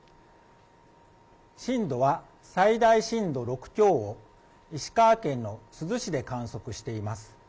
震度は最大震度６強を石川県の珠洲市で観測しています。